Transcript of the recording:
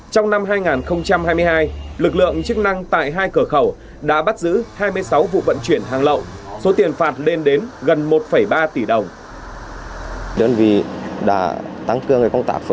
trong năm hai nghìn hai mươi hai lực lượng chức năng tại hai cửa khẩu đã bắt giữ hai mươi sáu vụ vận chuyển hàng lậu số tiền phạt lên đến gần một ba tỷ đồng